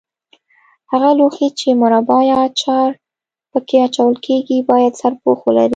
هغه لوښي چې مربا یا اچار په کې اچول کېږي باید سرپوښ ولري.